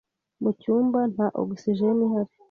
Mu cyumba nta ogisijeni ihari.